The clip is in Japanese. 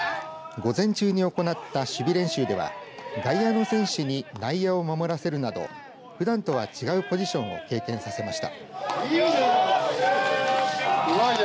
午前中に行った守備練習では外野の選手に内野を守らせるなどふだんとは違うポジションを経験させました。